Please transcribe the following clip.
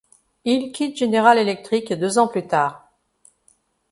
Il quitte General Electric deux ans plus tard.